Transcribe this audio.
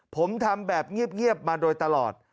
ผมทำแบบเงียบมาโดยตลอด